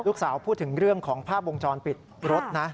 ลูกสาวพูดถึงเรื่องของภาพวงจรปิดรถนะ